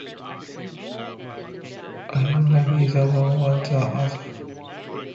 I don't like either one or the other.